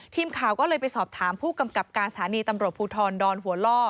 ทีมข่าวก็เลยไปสอบถามผู้กำกับการสถานีตำรวจภูทรดอนหัวล่อ